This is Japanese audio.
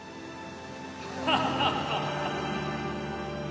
ハハハハハ！